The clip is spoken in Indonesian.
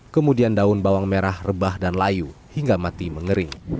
kemudian daun bawang merah rebah dan layu hingga mati mengering